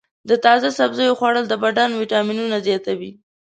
د تازه سبزیو خوړل د بدن ویټامینونه زیاتوي.